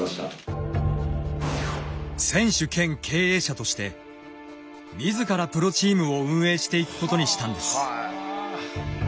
として自らプロチームを運営していくことにしたんです。